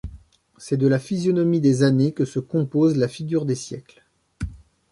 C’est de la physionomie des années que se compose la figure des siècles.